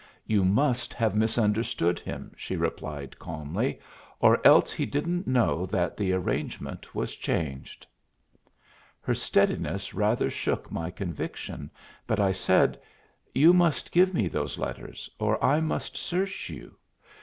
"You must have misunderstood him," she replied, calmly, "or else he didn't know that the arrangement was changed." Her steadiness rather shook my conviction, but I said, "You must give me those letters, or I must search you."